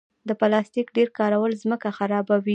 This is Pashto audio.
د پلاستیک ډېر کارول ځمکه خرابوي.